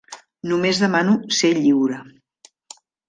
Només demano ser lliure.